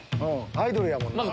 アイドルやもんな。